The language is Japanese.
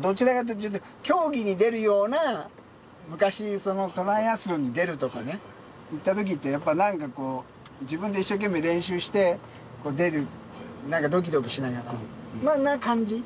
どちらかっていうと、競技に出るような、昔、そのトライアスロンに出るとかね、いったときって、やっぱなんかこう、自分で一生懸命練習して出るって、なんかどきどきしながら、な感じ。